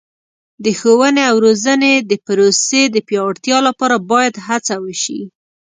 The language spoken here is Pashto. د ښوونې او روزنې د پروسې د پیاوړتیا لپاره باید هڅه وشي.